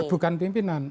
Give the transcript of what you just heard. itu bukan pimpinan